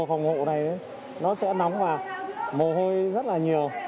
đồ khổng hộ này nó sẽ nóng và mồ hôi rất là nhiều